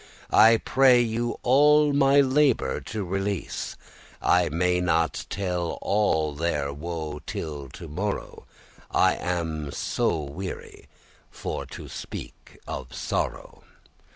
I pray you all my labour to release, I may not tell all their woe till to morrow, I am so weary for to speak of sorrow.